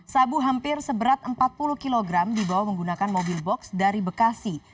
sabu hampir seberat empat puluh kg dibawa menggunakan mobil box dari bekasi